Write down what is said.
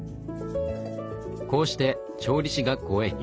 こうして調理師学校へ入学。